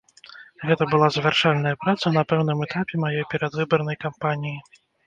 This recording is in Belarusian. Гэта была завяршальная праца на пэўным этапе маёй перадвыбарнай кампаніі.